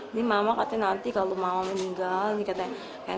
ini mama katanya nanti kalau mama meninggal nih katanya